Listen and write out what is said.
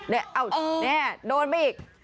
นี่โดนไปอีก